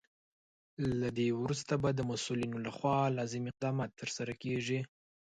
له دې وروسته به د مسولینو لخوا لازم اقدامات ترسره کیږي.